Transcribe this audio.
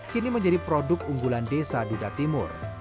kini menjadi produk unggulan desa duda timur